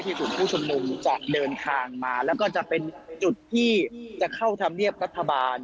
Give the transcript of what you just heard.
กลุ่มผู้ชุมนุมจะเดินทางมาแล้วก็จะเป็นจุดที่จะเข้าธรรมเนียบรัฐบาล